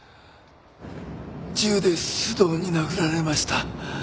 銃で須藤に殴られました。